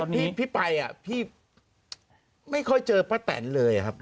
คือตอนนี้พี่ไปอ่ะพี่ไม่ค่อยเจอป้าแต่นเลยครับ